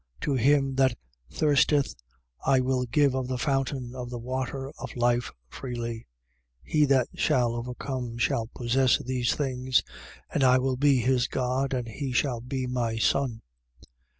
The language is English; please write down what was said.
To him that thirsteth, I will give of the fountain of the water of life, freely. 21:7. He that shall overcome shall possess these things. And I will be his God: and he shall be my son.